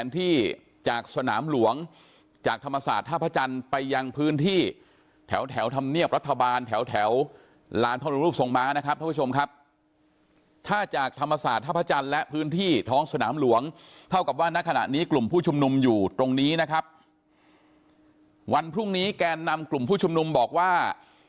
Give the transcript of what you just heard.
ที่จากสนามหลวงจากธรรมศาสตร์ท่าพระจันทร์ไปยังพื้นที่แถวแถวธรรมเนียบรัฐบาลแถวแถวลานพระรูปทรงม้านะครับท่านผู้ชมครับถ้าจากธรรมศาสตร์ท่าพระจันทร์และพื้นที่ท้องสนามหลวงเท่ากับว่าณขณะนี้กลุ่มผู้ชุมนุมอยู่ตรงนี้นะครับวันพรุ่งนี้แกนนำกลุ่มผู้ชุมนุมบอกว่า